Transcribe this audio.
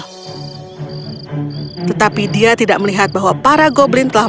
tetapi dia tidak melihat bahwa para goblin itu berada di luar sana tetapi dia tidak melihat bahwa para goblin itu berasal